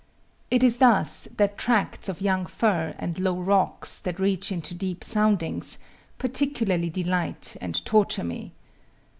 It is thus that tracts of young fir, and low rocks that reach into deep soundings, particularly delight and torture me.